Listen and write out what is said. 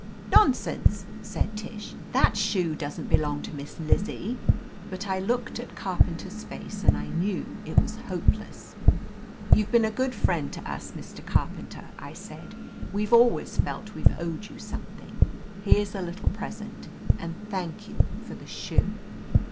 "Nonsense," said Tish. "That shoe doesn't belong to Miss Lizzie," But I looked at Carpenter's face and I knew it was hopeless. "You've been a good friend to us, Mr. Car penter," I said "We've always felt we' ve owed you something. Here's a little present, and thank you for the shoe."